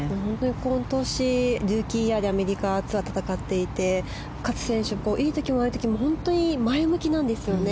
今年、ルーキーイヤーでアメリカで戦っていて勝選手、いい時も悪い時も本当に前向きなんですよね。